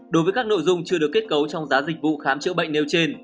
đối với các nội dung chưa được kết cấu trong giá dịch vụ khám chữa bệnh nêu trên